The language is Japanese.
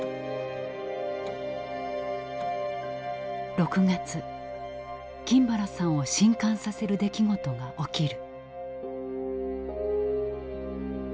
６月金原さんを震かんさせる出来事が起きる。